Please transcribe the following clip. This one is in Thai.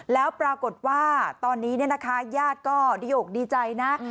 แล้วปรากฏว่าตอนนี้เนี่ยนะคะญาติก็ดีอกดีใจนะ